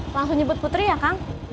langsung nyebut putri ya kang